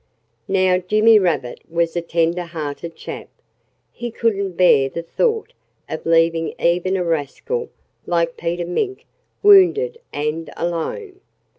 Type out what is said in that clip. Now, Jimmy Rabbit was a tender hearted chap. He couldn't bear the thought of leaving even a rascal like Peter Mink wounded and alone.